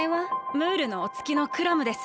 ムールのおつきのクラムです。